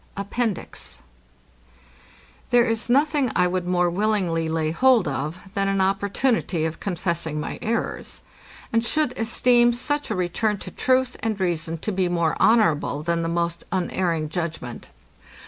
APPENDIX There is nothing I would more willingly lay hold of, than an opportunity of confessing my errors; and should esteem such a return to truth and reason to be more honourable than the most unerring judgment.